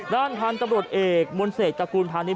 ด้านฐานตำรวจเอกมวลเศษตระกูลฐานนี้